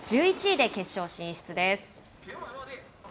１１位で決勝進出です。